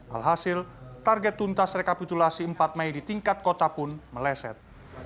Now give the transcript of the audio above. alhasil target tuntas rekapitulasi empat mei di tingkat kota pun meleset